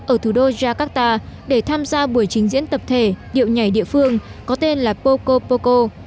ở thủ đô jakarta để tham gia buổi chính diễn tập thể điệu nhảy địa phương có tên là poco poco